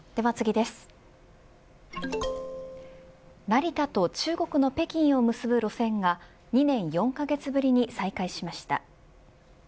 成田と中国の北京を結ぶ路線が２年４カ月ぶりに再開しました。